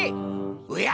おや！